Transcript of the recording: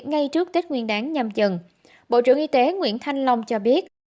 ngay trước tết nguyên đáng nhằm chừng bộ trưởng y tế nguyễn thanh long cho biết